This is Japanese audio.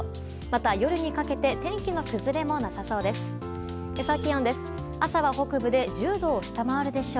また、夜にかけて天気の崩れもなさそうです。